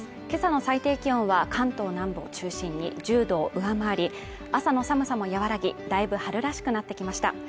今朝の最低気温は関東南部を中心に１０度を上回り朝の寒さも和らぎだいぶ春らしくなってきました